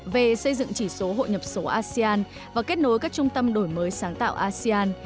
về xây dựng chỉ số hội nhập số asean và kết nối các trung tâm đổi mới sáng tạo asean